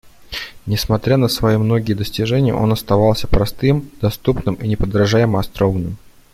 Несмотря на свои многие достижения, он оставался простым, доступным и неподражаемо остроумным.